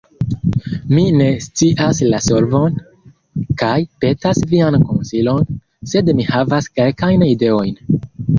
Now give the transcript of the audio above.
Mi ne scias la solvon, kaj petas vian konsilon, sed mi havas kelkajn ideojn.